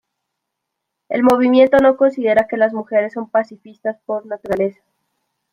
El movimiento no considera que las mujeres son pacifistas por naturaleza.